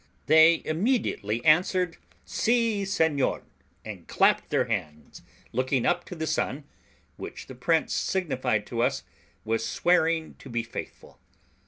They immediately answered, "Si, Seignior," and clapped their hands, looking up to the sun, which, the prince signified to us, was swearing to be faithful.